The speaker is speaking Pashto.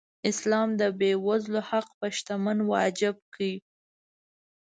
اسلام د بېوزلو حق په شتمن واجب کړی.